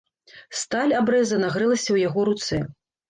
Сталь абрэза нагрэлася ў яго руцэ.